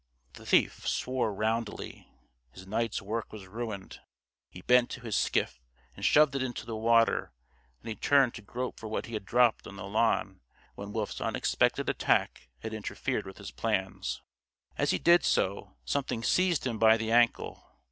The thief swore roundly. His night's work was ruined. He bent to his skiff and shoved it into the water; then he turned to grope for what he had dropped on the lawn when Wolf's unexpected attack had interfered with his plans. As he did so, something seized him by the ankle.